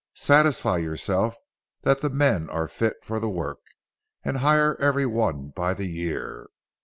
Satisfy yourself that the men are fit for the work, and hire every one by the year.